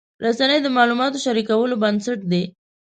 رسنۍ د معلوماتو شریکولو بنسټ دي.